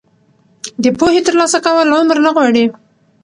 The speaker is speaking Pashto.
د پوهې ترلاسه کول عمر نه غواړي.